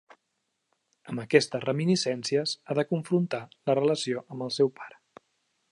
Amb aquestes reminiscències ha de confrontar la relació amb el seu pare.